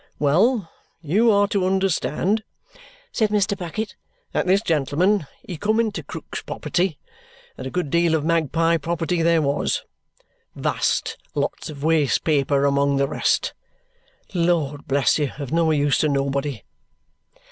"Well! You are to understand," said Mr. Bucket, "that this gentleman he come into Krook's property, and a good deal of magpie property there was. Vast lots of waste paper among the rest. Lord bless you, of no use to nobody!"